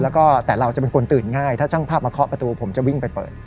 แล้วก็แต่เราจะเป็นคนตื่นง่ายถ้าช่างภาพมาเคาะประตูผมจะวิ่งไปเปิด